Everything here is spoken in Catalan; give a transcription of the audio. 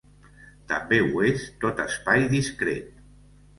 També ho és tot espai discret.